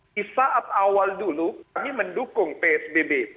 di saat awal dulu kami mendukung psbb